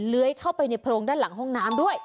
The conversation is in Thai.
เลื้อยเข้าไปในโพรงด้านหลังห้องน้ำด้วย